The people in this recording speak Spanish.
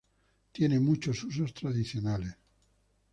Tiene muchos usos tradicionales.